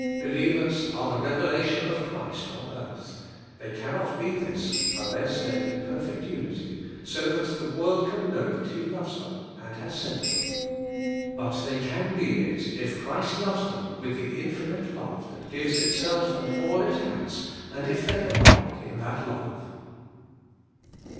Believers are the revelation of Christ on earth. They cannot be this unless there be perfect unity, so that the world can know that He loves them and has sent them. But they can be it if Christ loves them with the infinite love that gives itself and all it has, and if they abide in that love.